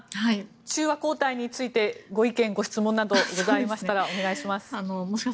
中和抗体についてご意見、ご質問などあったらお願いします。